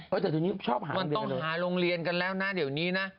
มันต้องหาโรงเรียนกันแล้วนะเดี๋ยวนี้นะ